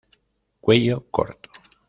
Cuello corto.